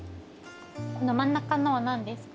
この真ん中のは何ですか？